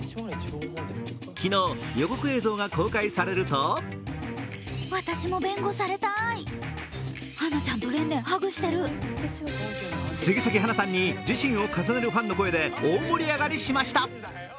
昨日、予告映像が公開されると杉咲花さんに自身を重ねるファンの声で大盛り上がりしました。